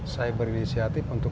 saya berinisiatif untuk